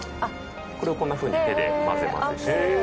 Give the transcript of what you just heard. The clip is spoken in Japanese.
「これをこんなふうに手で混ぜ混ぜして」